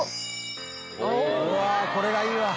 「うわこれがいいわ」